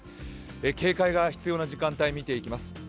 警戒が必要な時間帯、見ていきます